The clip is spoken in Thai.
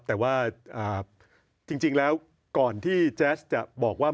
แต่ว่าจริงแล้วก่อนที่แจ๊สจะบอกว่า